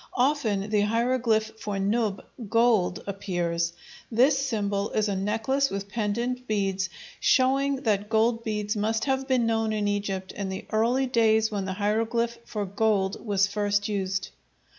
Often the hieroglyph for nub, gold, appears; this symbol is a necklace with pendant beads, showing that gold beads must have been known in Egypt in the early days when the hieroglyph for gold was first used.